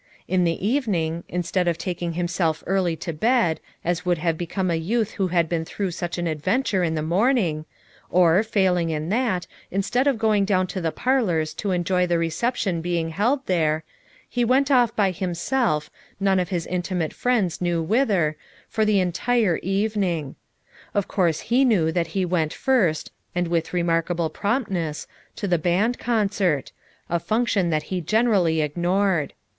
In the evening, instead of taking him 210 FOUB MOTHERS AT CHAUTAUQUA self early to bed, as would have become a youth who had been through such an adventure in the morning, or, failing in that, instead of go ing down to the parlors to enjoy the reception being held there, he went off by himself, none of his intimate friends knew whither, for the en tire evening. Of course he knew that he went "first, and with remarkable promptness, to the band concert; a function that he generally ig nored.